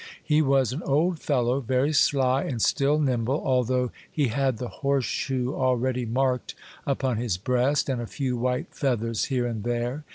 He was an old fellow, very sly, and still nimble, although he had the horseshoe already marked upon his breast, and a few white feathers here and there.